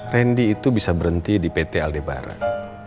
rendy itu bisa berhenti di pt aldebaran